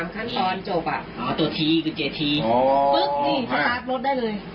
๓ขั้นตอนจบตัวทีกุญแจทีสตาร์ทรวดได้เลย